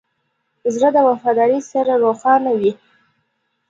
زړه د وفادارۍ سره روښانه وي.